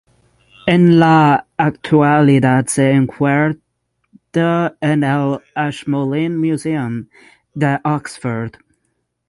En la actualidad se encuentra en el Ashmolean Museum de Oxford.